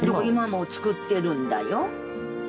今も作ってるんだよ。